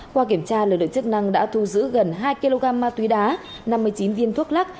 qua kiểm tra lực lượng chức năng đã thu giữ gần hai kg ma túy đá năm mươi chín viên thuốc lắc